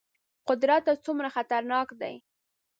قدرت ته څومره خطرناک دي.